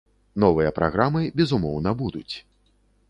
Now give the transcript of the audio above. Новыя праграмы, безумоўна, будуць.